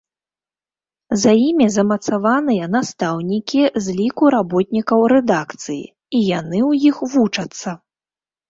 За імі замацаваныя настаўнікі з ліку работнікаў рэдакцыі, і яны ў іх вучацца.